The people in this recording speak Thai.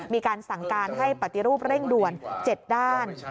มีการสั่งการให้ปฏิรูปเร่งด่วน๗ด้าน